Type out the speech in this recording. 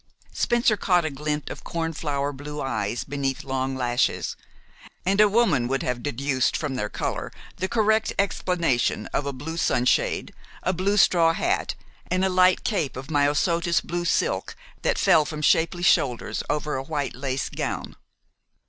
Spencer caught a glint of corn flower blue eyes beneath long lashes, and a woman would have deduced from their color the correct explanation of a blue sunshade, a blue straw hat, and a light cape of Myosotis blue silk that fell from shapely shoulders over a white lace gown.